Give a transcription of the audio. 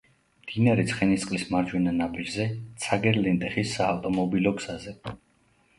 მდინარე ცხენისწყლის მარჯვენა ნაპირზე, ცაგერ–ლენტეხის საავტომობილო გზაზე.